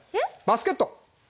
バスケット？